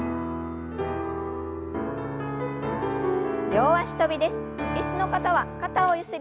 両脚跳びです。